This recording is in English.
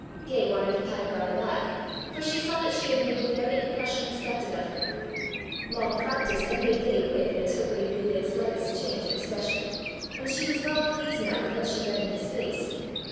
Gay wanted to pat her on the back, for she saw that she had made the very impression expected of her. Long practice had made Gay quick in interpreting Leland's slightest change of expression, and she was well pleased now with what she read in his face.